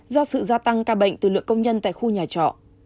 do sự gia tăng ca bệnh từ lượng công nhân tại khu nhà trọ